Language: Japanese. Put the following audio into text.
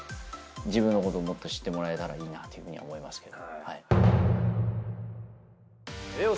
自分のことをもっと知ってもらえたらいいなっていうふうには思いますけど。